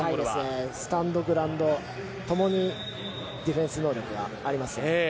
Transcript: スタンド、グラウンドともにディフェンス能力があります。